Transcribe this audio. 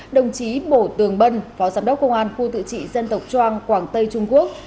đồng chí bổ tường bân phó giám đốc công an khu tự trị dân tộc trang quảng tây trung quốc